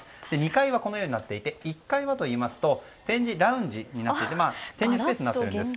２階はこのようになっていて１階はというと展示ラウンジになっていて展示スペースになっているんです。